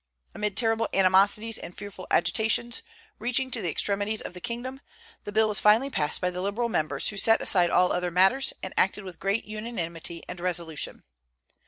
Amid terrible animosities and fearful agitations, reaching to the extremities of the kingdom, the bill was finally passed by the Liberal members, who set aside all other matters, and acted with great unanimity and resolution.